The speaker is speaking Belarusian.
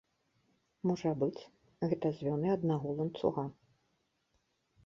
Можа быць, гэта звёны аднаго ланцуга.